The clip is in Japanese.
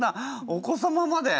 お子様まで！